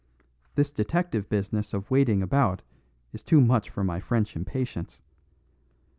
This detective business of waiting about is too much for my French impatience.